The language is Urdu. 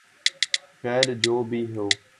خیر جو بھی ہو